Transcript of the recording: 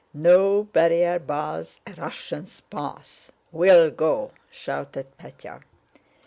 "'No barrier bars a Russian's path'—we'll go!" shouted Pétya.